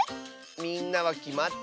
みんなはきまった？